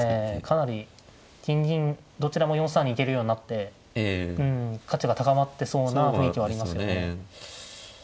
かなり金銀どちらも４三に行けるようになって価値が高まってそうな雰囲気はありますよね。